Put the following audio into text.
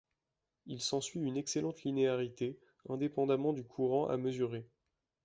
Il s'ensuit une excellente linéarité, indépendamment du courant à mesurer.